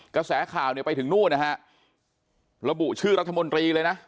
กระแสข่าวเนี่ยไปถึงนู่นนะฮะระบุชื่อรัฐมนตรีเลยนะ